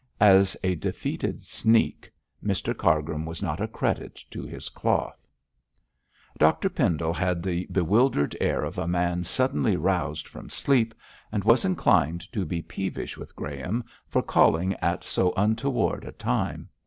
As a defeated sneak, Mr Cargrim was not a credit to his cloth. Dr Pendle had the bewildered air of a man suddenly roused from sleep, and was inclined to be peevish with Graham for calling at so untoward a time.